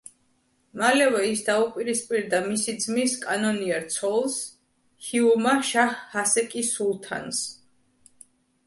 მალევე ის დაუპირისპირდა მისი ძმის კანონიერ ცოლს, ჰიუმა შაჰ ჰასეკი სულთანს.